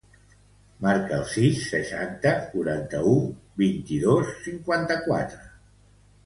Marca el sis, seixanta, quaranta-u, vint-i-dos, cinquanta-quatre.